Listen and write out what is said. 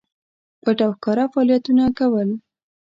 پټ او ښکاره فعالیتونه کول.